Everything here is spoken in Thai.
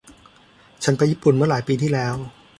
ฉันไปญี่ปุ่นเมื่อหลายปีที่แล้ว